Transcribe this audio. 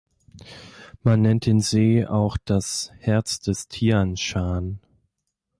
Man nennt den See auch das „Herz des Tianshan“.